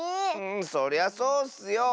そりゃそうッスよ。